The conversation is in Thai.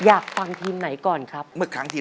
อ๋ออ๋ออ๋ออ๋ออ๋ออยากฟังทีมไหนก่อนครับเมื่อครั้งที